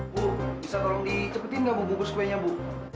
bu bisa tolong dicepetin gak bu bungkus kuenya bu